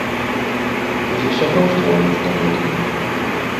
Ці за сяброўства я між народамі?